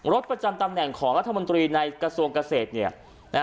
รถประจำตำแหน่งของรัฐมนตรีในกระทรวงเกษตร